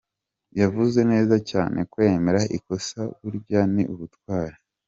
Yavuze neza cyane kwemera ikosa burya ni ubutwari.